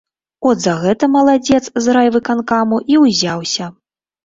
От за гэта маладзец з райвыканкому і ўзяўся.